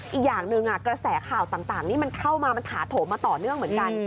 อีกอย่างหนึ่งกระแสข่าวต่างนี่มันเข้ามามันถาโถมมาต่อเนื่องเหมือนกัน